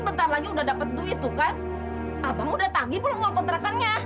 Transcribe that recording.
bentar lagi udah dapet duit tuh kan abang udah tadi belum kontrakannya